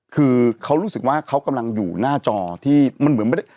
คือเขารู้สึกว่าเขากำลังอยู่หน้าจอที่มันเหมือนไม่ได้